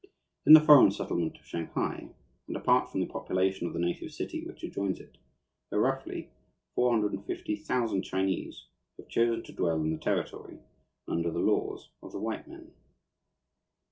In the foreign settlement of Shanghai, and apart from the population of the native city which adjoins it, there are, roughly, 450,000 Chinese who have chosen to dwell in the territory and under the laws of the white men.